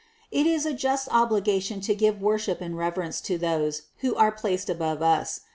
560. It is a just obligation to give worship and reverence to those, who are placed above us.